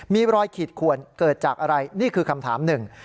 มีรอยขีดขวนเกิดจากอะไรนี่คือคำถามหนึ่ง